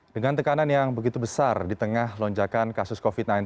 dengan tekanan yang begitu besar di tengah lonjakan kasus covid sembilan belas